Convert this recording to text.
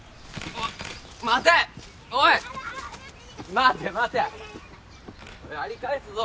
・待て待て！やり返すぞ。